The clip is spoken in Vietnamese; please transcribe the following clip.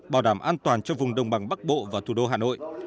bảo đảm an toàn cho vùng đồng bằng bắc bộ và thủ đô hà nội